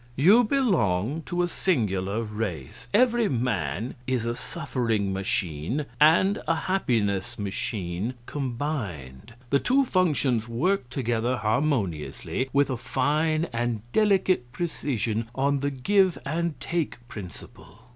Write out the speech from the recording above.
You belong to a singular race. Every man is a suffering machine and a happiness machine combined. The two functions work together harmoniously, with a fine and delicate precision, on the give and take principle.